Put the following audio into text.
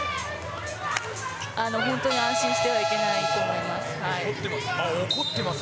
本当に安心してはいけないと思います。